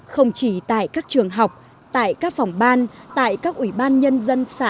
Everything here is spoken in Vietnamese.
không chỉ tại các trường học tại các phòng ban tại các ủy ban nhân dân xã